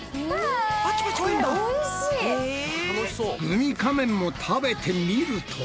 グミ仮面も食べてみると。